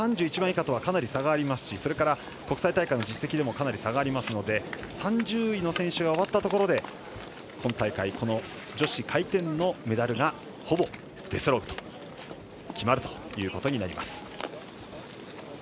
３１番以下とは差がありますし国際大会の実績でもかなり差がありますので３０位の選手が終わったところで今大会、女子回転のメダルがほぼ決まるということになります。